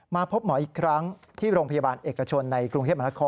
มาพบหมออีกครั้งที่โรงพยาบาลเอกชนในกรุงเทพมหานคร